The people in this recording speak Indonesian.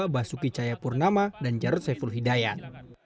basuki caya purnama dan jarod saiful hidayat